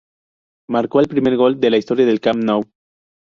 Marcó el primer gol de la historia del Camp Nou.